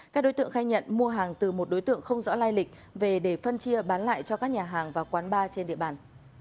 các đối tượng khai nhận mua hàng từ một đối tượng không rõ lai lịch về để phân chia bán lại cho các nhà hàng và quán bar trên địa bàn